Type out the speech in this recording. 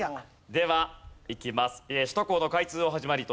ではいきます。